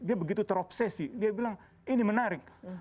dia begitu terobsesi dia bilang ini menarik